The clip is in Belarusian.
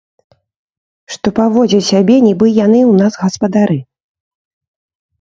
Што паводзяць сябе, нібы яны ў нас гаспадары?